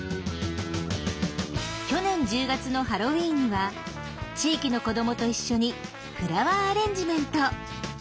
去年１０月のハロウィンには地域の子どもと一緒にフラワーアレンジメント。